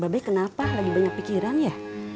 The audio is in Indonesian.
babi kenapa lagi banyak pikiran ya